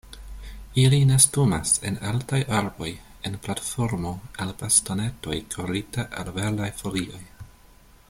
Ili nestumas en altaj arboj en platformo el bastonetoj kovrita el verdaj folioj.